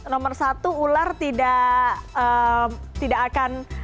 nomor satu ular tidak akan